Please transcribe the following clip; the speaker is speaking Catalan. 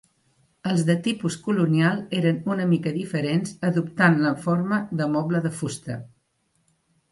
Els de tipus colonial eren una mica diferents adoptant la forma de moble de fusta.